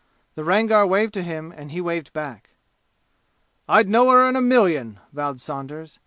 The Rangar waved to him and he waved back. "I'd know her in a million!" vowed Saunders.